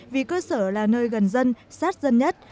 vì cơ sở là nơi gần dân sát dân nhất